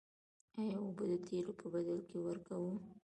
آیا اوبه د تیلو په بدل کې ورکوو؟